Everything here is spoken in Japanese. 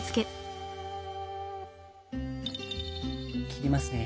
切りますね。